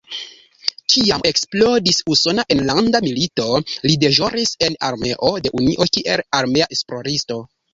Kiam eksplodis Usona enlanda milito, li deĵoris en armeo de Unio kiel armea esploristo.